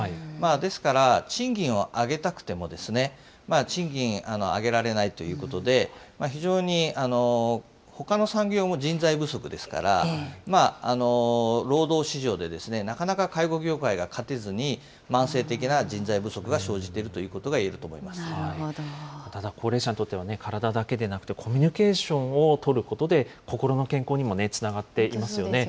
ですから、賃金を上げたくても賃金上げられないということで、非常に、ほかの産業も人材不足ですから、労働市場でなかなか介護業界が勝てずに、慢性的な人材不足が生じてるということが言えるとただ高齢者にとっては、体だけじゃなくてコミュニケーションを取ることで、心の健康にもつながっていますよね。